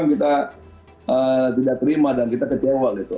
kita tidak terima dan kita kecewa gitu